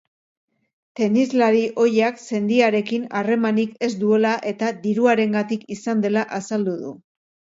Tenislari ohiak sendiarekin harremanik ez duela eta diruarengatik izan dela azaldu du.